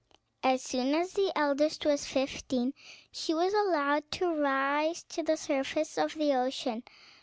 As soon as the eldest was fifteen, she was allowed to rise to the surface of the ocean.